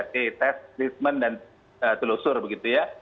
di tes treatment dan telusur begitu ya